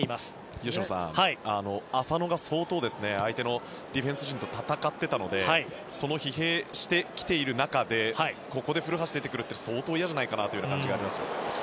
吉野さん、浅野が相当、相手のディフェンス陣と戦っていたので疲弊してきている中でここで古橋が出てくるって相当嫌じゃないかなという感じが出ています。